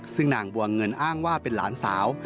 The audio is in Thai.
ซึ่งนางบัวเงินอ้างว่าเป็นหลานสาว